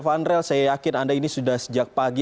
vanrel saya yakin anda ini sudah sejak pagi